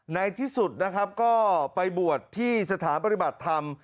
ในที่สุดนะครับก็ไปบวชที่สถานปฏิบัติธรรม